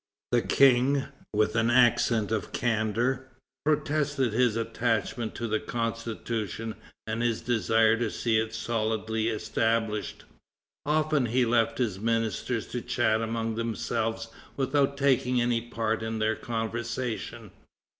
The King, with an accent of candor, protested his attachment to the Constitution and his desire to see it solidly established. Often he left his ministers to chat among themselves without taking any part in their conversation.